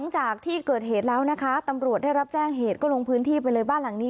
แจ้งเหตุก็ลงพื้นที่ไปเลยบ้านหลังนี้